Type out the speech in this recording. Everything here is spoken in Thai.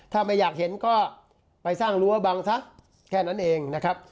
ถ้าไม่อยากเห็นก็ไปสร้างรั้วบังซะแค่นั้นเองนะครับ